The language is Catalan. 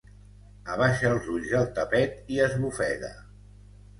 Abaixa els ulls al tapet i esbufega.